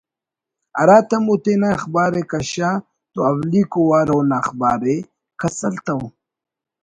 ہراتم اوتینا اخبار ءِ کشا تو اولیکو وار اونا اخبارءِ کس ہلتو